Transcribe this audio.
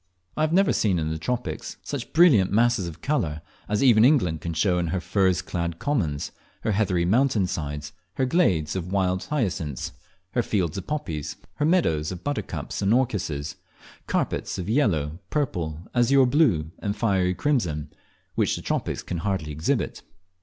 I have never seen in the tropics such brilliant masses of colour as even England can show in her furze clad commons, her heathery mountain sides, her glades of wild hyacinths, her fields of poppies, her meadows of buttercups and orchises carpets of yellow, purple, azure blue, and fiery crimson, which the tropics can rarely exhibit.